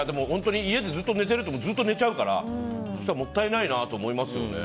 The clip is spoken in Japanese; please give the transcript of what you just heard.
家でずっと寝てると寝ちゃうからもったいないなと思いますね。